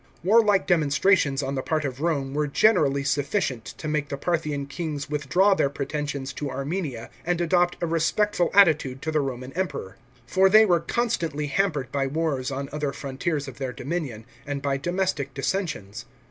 Warlike demonstrations on the part of Rome were generally sufficient to make the Parthian kings withdraw their 306 THE WARS FOR ARMENIA. CHAP. xvm. pretensions to Armenia and adopt a respectful attitude to the Roman Emperor; for they were constantly hampered by wars on other frontiers of their dominion and by domestic dissensions.